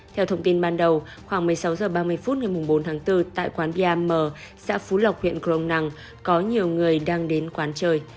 theo thông tin ban đầu khoảng một mươi sáu h ba mươi phút ngày bốn tháng bốn tại quán mia m xã phú lộc huyện cờ đông năng có nhiều người đang đến quán chơi